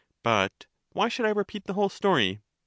But why should I re peat the whole story?